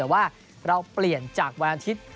แต่ว่าเราเปลี่ยนจากวันอาทิตย์